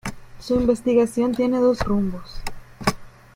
Su investigación tiene dos rumbos.